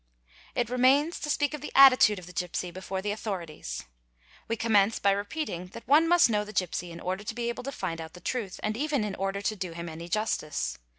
It remains to speak of the attitude of the gipsy before the authorities. We commence by repeating that one must know the gipsy in order to be — able to find out the truth and even in order to do him any justice.